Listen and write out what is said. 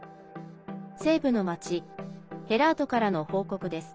西部の町ヘラートからの報告です。